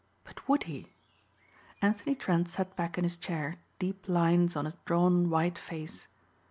But would he? Anthony Trent sat back in his chair deep lines on his drawn white face.